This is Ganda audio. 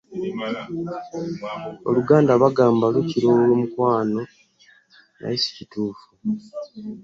Oluganda bagamba lukira omukwano naye si kituufu.